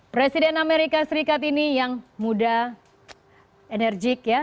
presiden amerika serikat ini yang muda enerjik ya